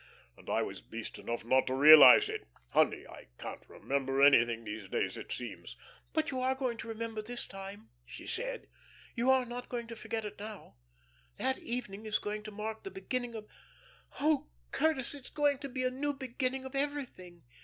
And I was beast enough not to realise it. Honey, I can't remember anything these days, it seems." "But you are going to remember this time?" she said. "You are not going to forget it now. That evening is going to mark the beginning of oh, Curtis, it is going to be a new beginning of everything.